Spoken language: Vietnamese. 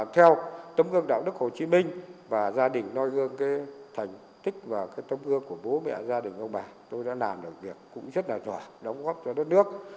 tấm gương đạo đức hồ chí minh và gia đình loa hương thành tích và tấm gương của bố mẹ gia đình ông bà tôi đã làm được việc cũng rất là rõ đóng góp cho đất nước